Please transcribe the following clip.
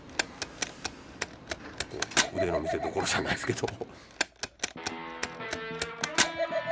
腕の見せどころじゃないですけど。